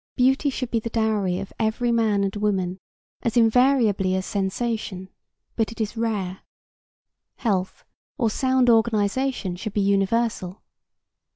Beauty should be the dowry of every man and woman, as invariably as sensation; but it is rare. Health or sound organization should be universal.